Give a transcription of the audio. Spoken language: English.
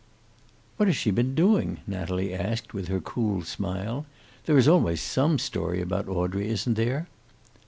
"What has she been doing?" Natalie asked, with her cool smile. "There is always some story about Audrey, isn't there?"